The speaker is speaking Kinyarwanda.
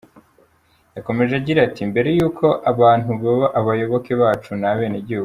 Yakomeje agira ati :"Mbere y’uko abantu baba abayoboke bacu ni abenegihugu.